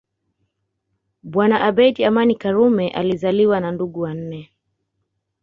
Bwana Abeid Amani Karume alizaliwa na ndugu wanne